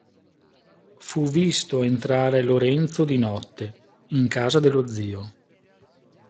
Fu visto entrare Lorenzo di notte, in casa dello zio.